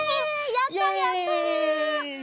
やったやった！